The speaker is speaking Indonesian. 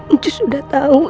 ncus udah tau